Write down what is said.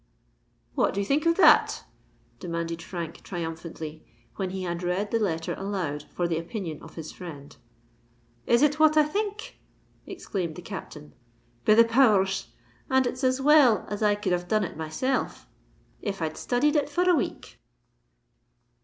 "What do you think of that?" demanded Frank triumphantly, when he had read the letter aloud for the opinion of his friend. "Is it what I think?" exclaimed the Captain. "Be the power rs! and it's as well as I could have done it myself, if I'd studied it for a week."